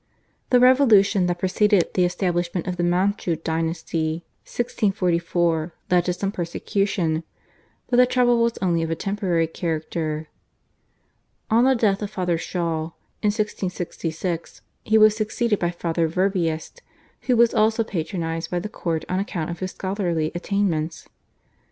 The revolution that preceded the establishment of the Manchu dynasty (1644) led to some persecution, but the trouble was only of a temporary character. On the death of Father Schall in 1666, he was succeeded by Father Verbiest who was also patronised by the court on account of his scholarly attainments.